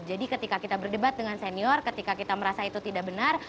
jadi ketika kita berdebat dengan senior ketika kita merasa itu tidak benar